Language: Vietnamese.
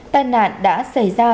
tai nạn đã xảy ra